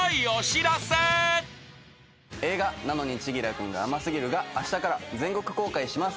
映画『なのに、千輝くんが甘すぎる。』があしたから全国公開します。